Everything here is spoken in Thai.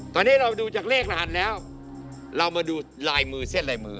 ตอนนี้เราดูจากเลขรหัสแล้วเรามาดูลายมือเส้นลายมือ